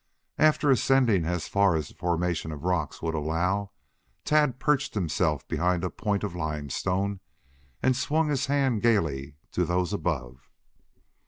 After ascending as far as the formation of the rocks would allow, Tad perched himself behind a point of limestone and swung his hand gayly to those above.